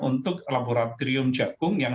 untuk laboratorium cakung yang